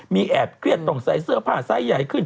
มีแอบเครียดต้องใส่เสื้อผ้าไซส์ใหญ่ขึ้น